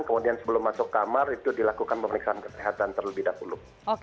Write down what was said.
kemudian sebelum masuk kamar itu dilakukan pemeriksaan kesehatan terlebih dahulu